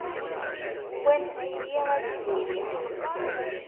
Wanes-iyi a tiziri.